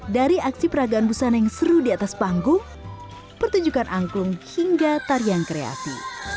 dari aksi peragaan busana yang seru di atas panggung pertunjukan angklung hingga tarian kreasi